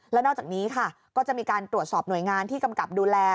แล้วนอกจากนี้ค่ะก็จะมีการตรวจสอบหน่วยงานที่กำกับดูแล